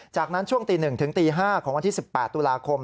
จากนั้นช่วงตี๑ถึงตี๕ของวันที่๑๘ตุลาคม